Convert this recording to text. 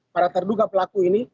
para terduga pelaku ini